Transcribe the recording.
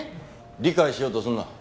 理解しようとするな。